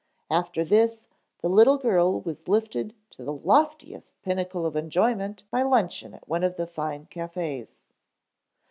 After this the little girl was lifted to the loftiest pinnacle of enjoyment by luncheon at one of the fine cafés.